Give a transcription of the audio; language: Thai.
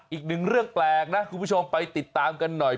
อีกหนึ่งเรื่องแปลกนะคุณผู้ชมไปติดตามกันหน่อย